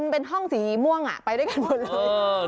เป็นห้องสีม่วงไปด้วยกันหมดเลย